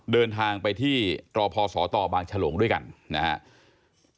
เดินทางไปที่ตรพศตบางฉลงด้วยกันนะครับ